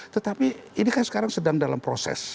tetapi ini kan sekarang sedang dalam proses